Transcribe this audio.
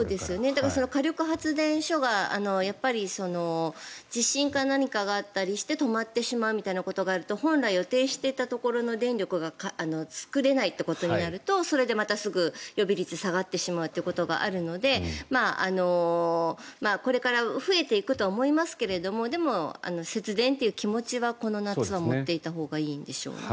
だから火力発電所が地震か何かがあったりして止まってしまうみたいなことがあると本来予定していたところの電力が作れないとなるとそれでまた、すぐ予備率が下がってしまうということがあるのでこれから増えていくとは思いますけれどもでも、節電という気持ちはこの夏は持っていたほうがいいんでしょうね。